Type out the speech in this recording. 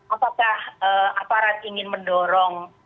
apakah aparat ingin mendorong